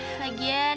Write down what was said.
udah tenang ya tampan